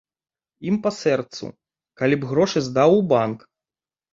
Ім па сэрцу, калі б грошы здаў у банк.